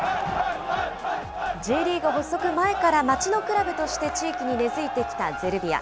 Ｊリーグ発足前から、町のクラブとして地域に根づいてきたゼルビア。